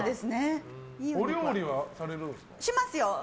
お料理はされるんですか？